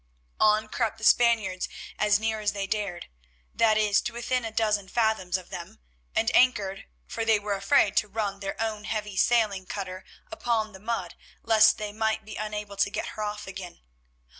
On crept the Spaniards as near as they dared, that is to within a dozen fathoms of them, and anchored, for they were afraid to run their own heavy sailing cutter upon the mud lest they might be unable to get her off again.